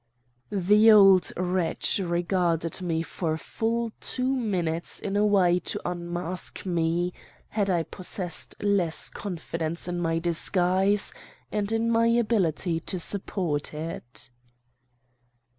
"The old wretch regarded me for full two minutes in a way to unmask me had I possessed less confidence in my disguise and in my ability to support it.